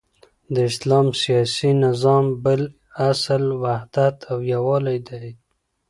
د اسلام سیاسی نظام بل اصل وحدت او یوالی دی،